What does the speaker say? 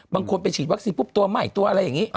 บางคนไปฉีดวัคซีนปุ๊บตัวใหม่ตัวอะไรอย่างนี้